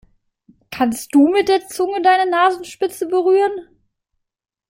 Kannst du mit der Zunge deine Nasenspitze berühren?